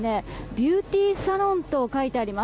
ビューティーサロンと書いてあります。